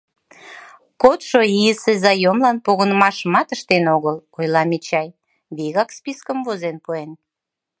— Кодшо ийысе заёмлан погынымашымат ыштен огыл, — ойла Мичай, — вигак спискым возен пуэн.